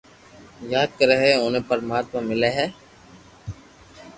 ياد ڪري ھي اوني پرماتما ملي ھي